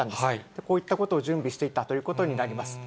こういったことを準備していたということになります。